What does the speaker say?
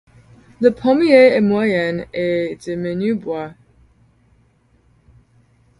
Le pommier est moyen, & de menu bois.